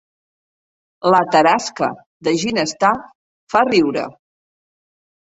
La tarasca de Ginestar fa riure